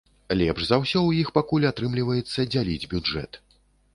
Лепш за ўсё ў іх пакуль атрымліваецца дзяліць бюджэт.